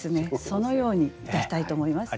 そのようにいたしたいと思います。